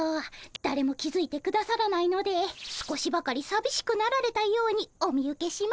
だれも気付いてくださらないので少しばかりさびしくなられたようにお見受けしますが。